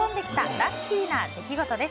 ラッキーな出来事です。